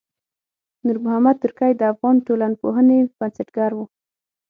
نورمحمد ترکی د افغان ټولنپوهنې بنسټګر و.